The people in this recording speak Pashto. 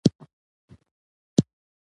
په شيدو يې پرله پسې ولمبوي